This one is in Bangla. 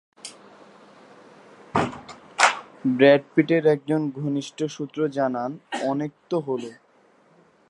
ব্র্যাড পিটের একজন ঘনিষ্ঠ সূত্র জানান, অনেক তো হলো।